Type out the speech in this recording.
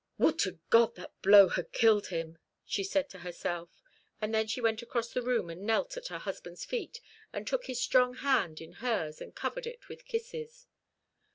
"Would to God that blow had killed him!" she said to herself; and then she went across the room and knelt at her husband's feet, and took his strong hand in hers, and covered it with kisses.